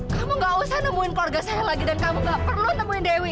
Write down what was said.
kamu gak usah nemuin keluarga saya lagi dan kamu gak perlu nemuin dewi